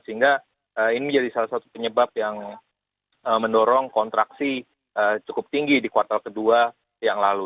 sehingga ini menjadi salah satu penyebab yang mendorong kontraksi cukup tinggi di kuartal kedua yang lalu